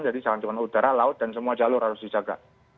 jadi jangan cuma udara laut dan semua jalur harus dijaga